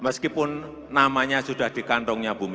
meskipun namanya sudah dikandungnya bu mega